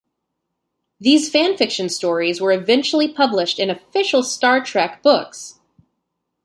These fan fiction stories were eventually published in official "Star Trek" books.